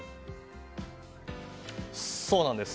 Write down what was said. そうなんです。